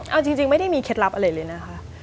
เอาจริงไม่ได้มีเคล็ดลับอะไรเลยนะคะ